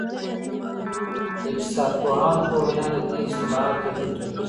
د اقتصاد پوهانو په وينا د دې اصطلاحاتو ترمنځ توپير سته.